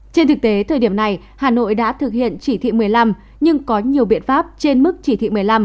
trên thực tế thời điểm này hà nội đã thực hiện chỉ thị một mươi năm nhưng có nhiều biện pháp trên mức chỉ thị một mươi năm